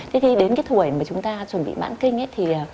thế khi đến cái thủy mà chúng ta chuẩn bị mãn kinh ấy